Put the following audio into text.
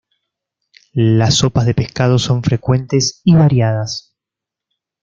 Las sopas de pescado son frecuentes y variadas.